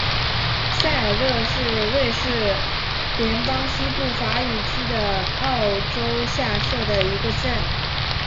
塞尔热是瑞士联邦西部法语区的沃州下设的一个镇。